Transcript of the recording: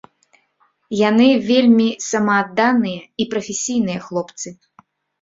Яны вельмі самаадданыя і прафесійныя хлопцы.